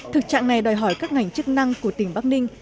thực trạng này đòi hỏi các ngành chức năng của tỉnh bắc ninh